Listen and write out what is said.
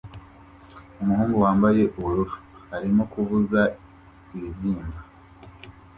Umuhungu wambaye ubururu arimo kuvuza ibibyimba